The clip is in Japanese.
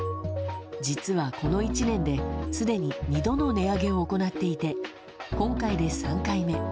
実は、この１年ですでに２度の値上げを行っていて今回で３回目。